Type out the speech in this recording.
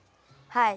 はい。